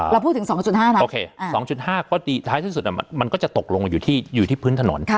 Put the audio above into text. เราพูดถึง๒๕นะโอเค๒๕เพราะท้ายที่สุดมันก็จะตกลงอยู่ที่พื้นถนน